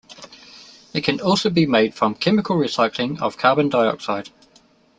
It can also be made from chemical recycling of carbon dioxide.